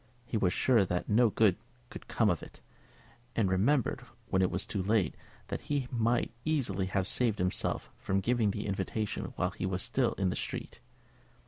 He was sure that no good could come of it, and remembered, when it was too late, that he might easily have saved himself from giving the invitation while he was still in the street.